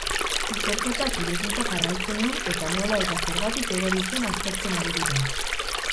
Ikerketak irekita jarraitzen du eta nola eta zergatik erori zen aztertzen ari dira.